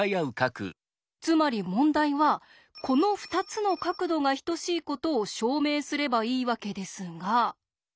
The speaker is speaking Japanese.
つまり問題はこの２つの角度が等しいことを証明すればいいわけですが。